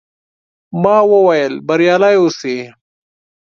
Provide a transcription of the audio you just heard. ما وویل، بریالي اوسئ.